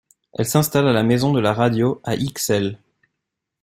Elle s'installe à la Maison de la Radio, à Ixelles.